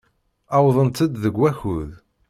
Wwḍent-d deg wakud.